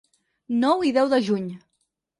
Nou i deu de juny.